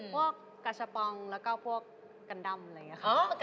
พวกกระป๋องแล้วก็พวกกันดำอะไรอย่างนี้ค่ะ